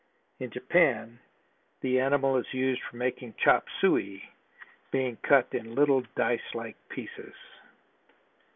In Japan the animal is used for making chop suey, being cut in little dice like pieces.